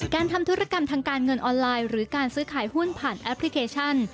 ทำธุรกรรมทางการเงินออนไลน์หรือการซื้อขายหุ้นผ่านแอปพลิเคชัน